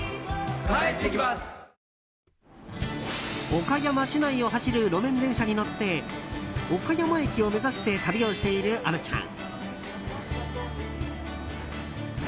岡山市内を走る路面電車に乗って岡山駅を目指して旅をしている虻ちゃん。